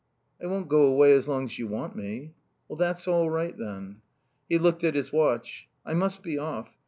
"I won't go away as long as you want me." "That's all right then." He looked at his watch. "I must be off.